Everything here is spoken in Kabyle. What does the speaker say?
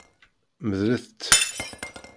Medlet-t.